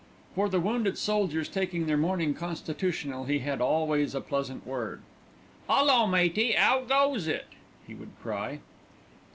For the wounded soldiers taking their morning constitutional he had always a pleasant word. "'Ullo, matey, 'ow goes it?" he would cry.